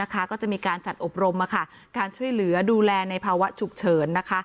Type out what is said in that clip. ก็จะมีการจัดอบรมการช่วยเหลือดูแลในภาวะฉุกเฉิน